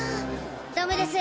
ダメです。